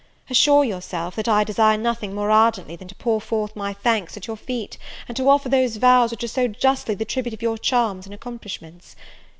Assure yourself, that I desire nothing more ardently than to pour forth my thanks at your feet, and to offer those vows which are so justly the tribute of your charms and accomplishments.